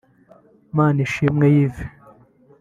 Manishimwe Yves